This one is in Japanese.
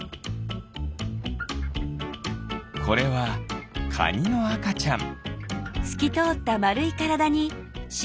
これはカニのあかちゃん。